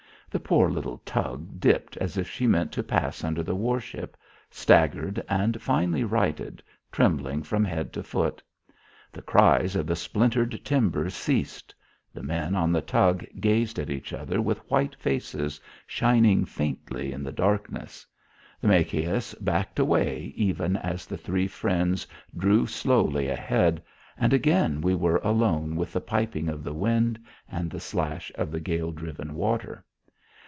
The poor little tug dipped as if she meant to pass under the war ship, staggered and finally righted, trembling from head to foot. The cries of the splintered timbers ceased. The men on the tug gazed at each other with white faces shining faintly in the darkness. The Machias backed away even as the Three Friends drew slowly ahead, and again we were alone with the piping of the wind and the slash of the gale driven water.